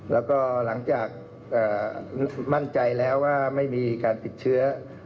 แล้วก็หลังจากมั่นใจแล้วว่าไม่มีการติดเชื้อ